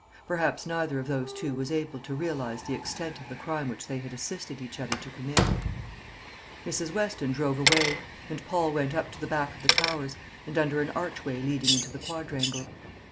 Perhaps neither of those two was able to realise the extent of the crime which they had assisted each other to commit. Mrs. Weston drove away; and Paul went up to the back of the Towers, and under an archway leading into the quadrangle.